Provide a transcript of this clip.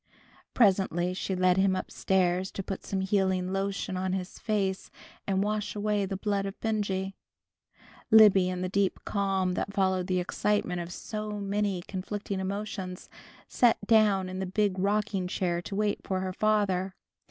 Presently she led him up stairs to put some healing lotion on his face, and wash away the blood of Benjy. Libby, in the deep calm that followed the excitement of so many conflicting emotions, sat down in the big rocking chair to wait for her father.